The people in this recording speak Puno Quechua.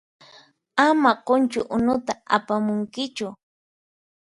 Ama qunchu unuta apamunkichu.